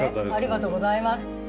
ありがとうございます。